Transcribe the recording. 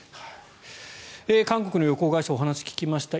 韓国の旅行会社に話を聞きました。